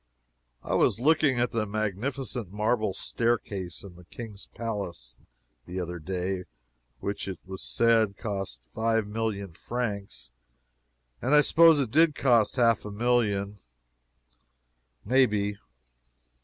I was looking at a magnificent marble staircase in the King's palace, the other day, which, it was said, cost five million francs, and I suppose it did cost half a million, may be.